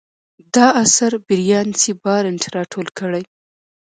دا اثر بریان سي بارنټ راټول کړی.